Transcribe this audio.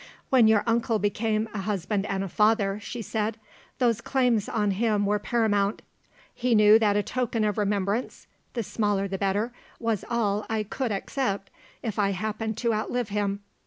"When your uncle became a husband and a father," she said, "those claims on him were paramount. He knew that a token of remembrance (the smaller the better) was all I could accept, if I happened to outlive him.